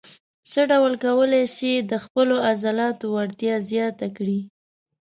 څه ډول کولای شئ د خپلو عضلاتو وړتیا زیاته کړئ.